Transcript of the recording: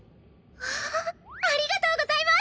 わあありがとうございます！